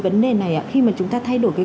vấn đề này khi mà chúng ta thay đổi